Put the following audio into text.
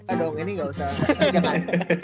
kita dong ini gausah